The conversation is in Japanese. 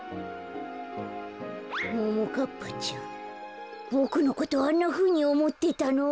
ももかっぱちゃんボクのことあんなふうにおもってたの？